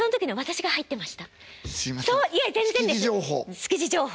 築地情報。